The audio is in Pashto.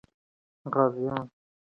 غازیان پر انګریزانو غالبېدلې وو.